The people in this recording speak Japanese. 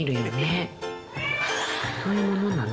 そういうものなの？